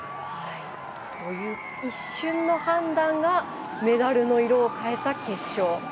一瞬の判断がメダルの色を変えた決勝。